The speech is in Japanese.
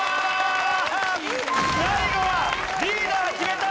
最後はリーダー決めた！